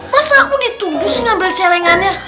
masa aku ditunggu sih ngambil celengannya